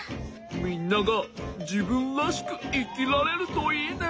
みんながじぶんらしくいきられるといいね。